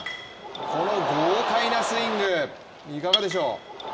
この豪快なスイング、いかがでしょう？